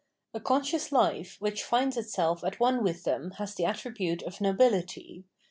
A conscious hfe which J^ds itself at one with them has the attribute of Nobility.